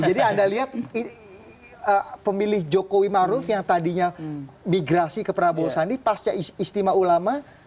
jadi anda lihat pemilih jokowi maruf yang tadinya migrasi ke prabowo sandi pasca istimewa ulama